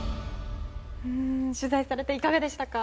取材されていかがでしたか？